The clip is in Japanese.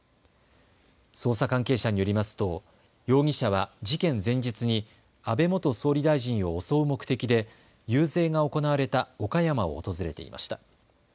捜査関係者によりますと容疑者は事件前日に安倍元総理大臣を襲う目的で遊説が行われた岡山を訪れていました。